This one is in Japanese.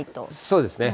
そうですね。